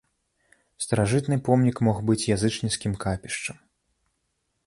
Старажытны помнік мог быць язычніцкім капішчам.